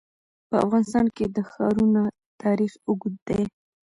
په افغانستان کې د ښارونه تاریخ اوږد دی.